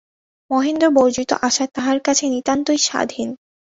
মহেন্দ্রবর্জিত আশা তাহার কাছে নিতান্তই স্বাদহীন।